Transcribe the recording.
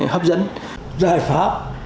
hấp dẫn giải pháp